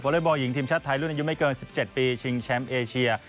เล็กบอลหญิงทีมชาติไทยรุ่นอายุไม่เกิน๑๗ปีชิงแชมป์เอเชีย